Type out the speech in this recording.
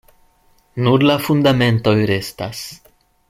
Nur la fundamentoj restas.